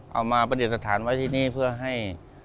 เอามาประเด็นสถานไว้ที่นี่เพื่อให้